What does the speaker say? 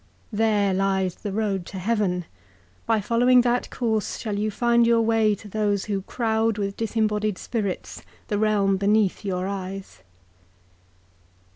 There lies the road to heaven. By following that course shall you find your way to those who crowd with deseinbodied spirits the realm beneath your eyes.'